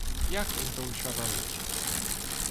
jak im to uświadomić